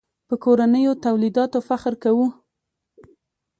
په کورنیو تولیداتو فخر کوو.